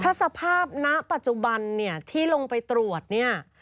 ถ้าสภาพณปัจจุบันเนี่ยที่ลงไปตรวจเนี่ย